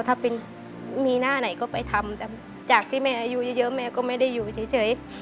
ถ้าเป็นมีหน้าไหนก็ไปทำจากที่แม่อายุเยอะแม่ก็ไม่ได้อยู่เฉย